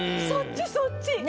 そっちそっち。